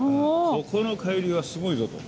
ここの海流はすごいぞと。